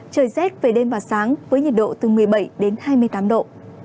trời rét về đêm và sáng với nhiệt độ từ một mươi bảy đến hai mươi tám độ